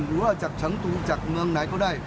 หรือว่าจากฉันตูจากเมืองไหนก็ได้